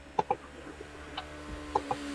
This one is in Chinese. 你们是迷惘的一代。